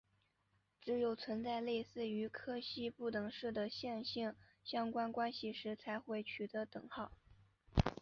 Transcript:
只有存在类似于柯西不等式的线性相关关系时才会取得等号。